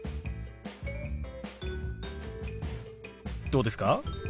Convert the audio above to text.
どうですか？